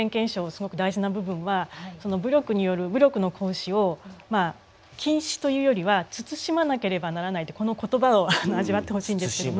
すごく大事な部分はその「武力による武力の行使」をまあ禁止というよりは「慎まなければならない」ってこの言葉を味わってほしいんですけども。